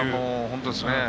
本当ですね。